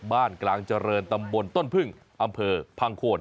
บ้านกลางเจริญตำบลต้นพึ่งอำเภอพังโคน